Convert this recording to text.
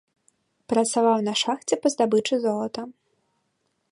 Працаваў на шахце па здабычы золата.